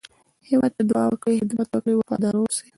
هېواد ته دعا وکړئ، خدمت وکړئ، وفاداره واوسی